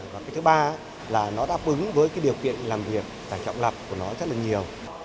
và cái thứ ba là nó đáp ứng với cái điều kiện làm việc tải trọng lặp của nó rất là nhiều